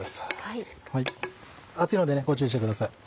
熱いのでご注意してください。